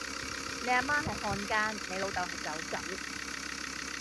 你阿媽係漢奸，你老竇係走狗